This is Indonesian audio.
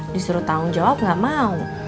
disuruh tanggung jawab nggak mau